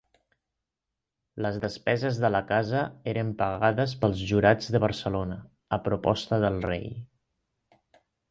Les despeses de la casa eren pagades pels Jurats de Barcelona, a proposta del rei.